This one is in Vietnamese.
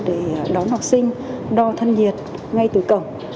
để đón học sinh đo thân nhiệt ngay từ cổng